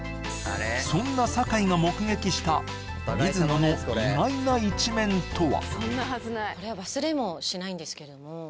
そんな坂井が目撃した水野の意外な一面とは？